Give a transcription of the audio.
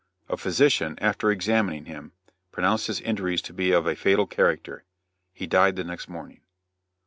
A physician, after examining him, pronounced his injuries to be of a fatal character. He died the next morning.